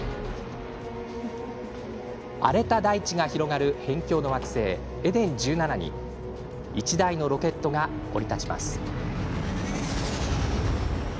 荒れた大地が広がる辺境の惑星エデン１７に１台のロケットが降り立ちます。